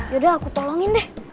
yaudah aku tolongin deh